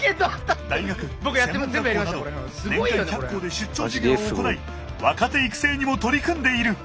大学専門学校など年間１００校で出張授業を行い若手育成にも取り組んでいる。